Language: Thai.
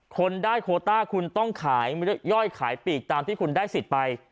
คนได้โคต้าคุณต้องขายย่อยขายปีกตามที่คุณได้สิทธิ์ไป